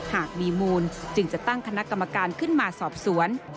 หากมีมูลจึงจะตั้งคณะกรรมการขึ้นมาสอบสวน